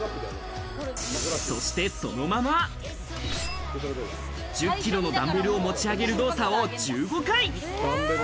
そしてそのまま、１０キロのダンベルを持ち上げる動作を１５回。